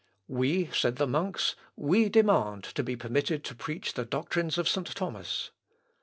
" "We," said the monks, "we demand to be permitted to preach the doctrines of St. Thomas."